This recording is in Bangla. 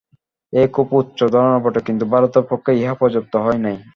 এ খুব উচ্চ ধারণা বটে, কিন্তু ভারতের পক্ষে ইহা পর্যাপ্ত হয় নাই।